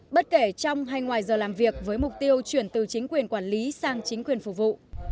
bất kể trong hay ngoài giờ làm việc với mục tiêu chuyển từ chính quyền quản lý sang chính quyền phục vụ